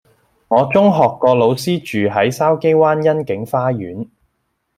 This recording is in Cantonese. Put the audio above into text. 我中學個老師住喺筲箕灣欣景花園